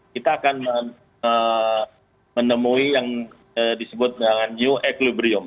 kita akan menemui yang disebut dengan new equibrium